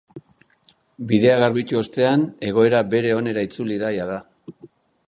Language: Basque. Bidea garbitu ostean, egoera bere onera itzuli da jada.